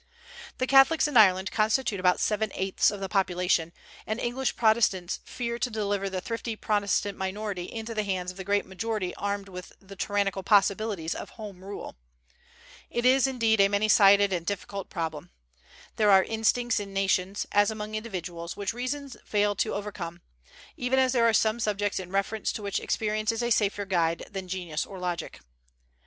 The Catholics in Ireland constitute about seven eighths of the population, and English Protestants fear to deliver the thrifty Protestant minority into the hands of the great majority armed with the tyrannical possibilities of Home Rule. It is indeed a many sided and difficult problem. There are instincts in nations, as among individuals, which reason fails to overcome, even as there are some subjects in reference to which experience is a safer guide than genius or logic.